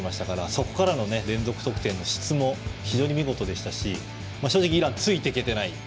そこからの連続得点の質も非常に見事ですし、正直イランはついていけてない。